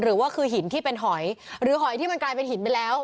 หรือว่าคือหินที่เป็นหอยหรือหอยที่มันกลายเป็นหินไปแล้ว